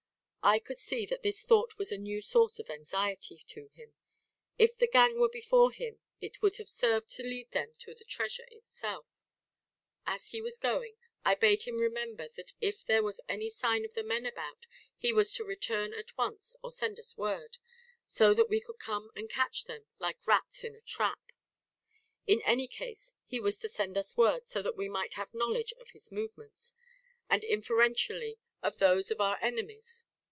I could see that this thought was a new source of anxiety to him; if the gang were before him it would have served to lead them to the treasure itself. As he was going, I bade him remember that if there was any sign of the men about, he was to return at once or send us word, so that we could come and catch them like rats in a trap. In any case he was to send us word, so that we might have knowledge of his movements, and inferentially of those of our enemies.